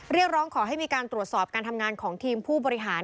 เรียกร้องให้มีการตรวจสอบทีมผู้ปริหาร